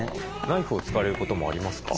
ナイフを使われることもありますか？